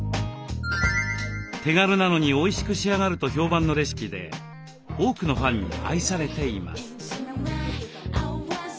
手軽なのにおいしく仕上がると評判のレシピで多くのファンに愛されています。